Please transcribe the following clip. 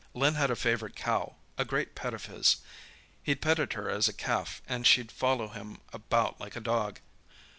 "Len had a favourite cow, a great pet of his. He'd petted her as a calf and she'd follow him about like a dog.